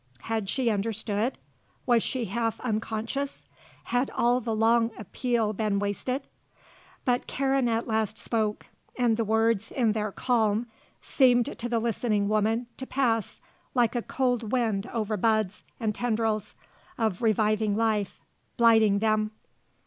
Had she understood? Was she half unconscious? Had all the long appeal been wasted? But Karen at last spoke and the words, in their calm, seemed to the listening woman to pass like a cold wind over buds and tendrils of reviving life, blighting them.